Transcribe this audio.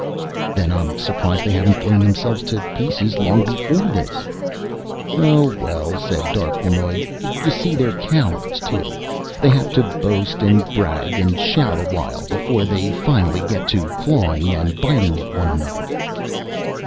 "Then I'm surprised they haven't blown themselves to pieces long before this." "Oh, well," said Darquelnoy, "you see, they're cowards, too. They have to boast and brag and shout a while before they finally get to clawing and biting at one another."